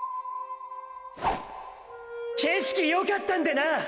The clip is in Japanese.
景色よかったんでな！！